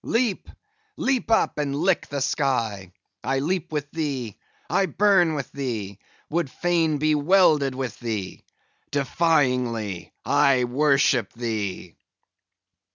Leap! leap up, and lick the sky! I leap with thee; I burn with thee; would fain be welded with thee; defyingly I worship thee!"